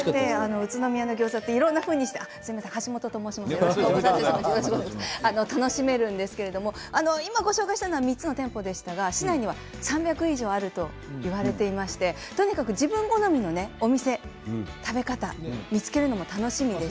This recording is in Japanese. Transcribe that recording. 宇都宮のギョーザ楽しめるんですけれども今ご紹介したのは３つの店でしたが市内に３００以上あるといわれていましてとにかく自分好みのお店食べ方を見つけるのも楽しみです。